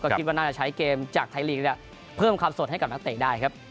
คิดว่าน่าจะใช้เกมจากไทยลีกเนี่ยเพิ่มความสดให้กับนักเตะได้ครับ